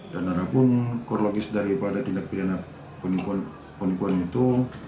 dan ada pun koreologis daripada tindak pilihan penipuan itu